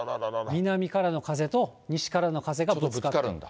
南からの風と西からの風がぶつかって。